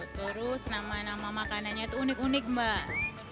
terus nama nama makanannya itu unik unik mbak